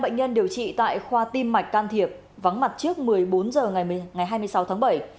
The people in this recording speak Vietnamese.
một mươi năm bệnh nhân điều trị tại khoa tim mạch can thiệp vắng mặt trước một mươi bốn h ngày hai mươi sáu tháng bảy